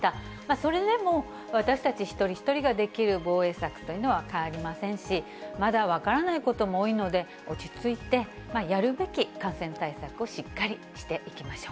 それでも私たち一人一人ができる防衛策というのは変わりませんし、まだ分からないことも多いので、落ち着いて、やるべき感染対策をしっかりしていきましょう。